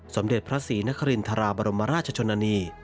สมเด็จพระศรีนครินทราบรมราชชนนานี